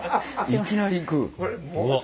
いきなりいく。